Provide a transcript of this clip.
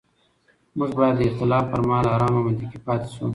موږ باید د اختلاف پر مهال ارام او منطقي پاتې شو